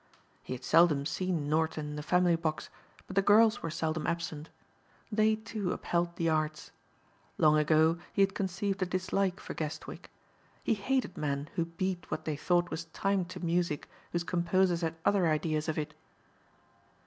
He had seldom seen Norton in the family box but the girls were seldom absent. They, too, upheld the Arts. Long ago he had conceived a dislike for Guestwick. He hated men who beat what they thought was time to music whose composers had other ideas of it.